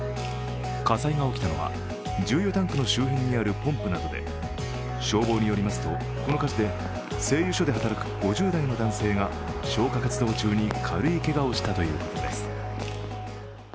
火災が起きたのは重油タンクの周辺にあるポンプなどで消防によりますと、この火事で製油所で働く５０代の男性が消火活動中に軽いけがをしたということです。